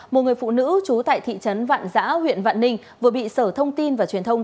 một người phụ nữ trú tại thị trấn vạn giã huyện vạn ninh vừa bị sở thông tin và truyền thông